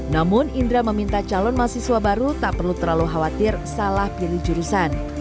namun indra meminta calon mahasiswa baru tak perlu terlalu khawatir salah pilih jurusan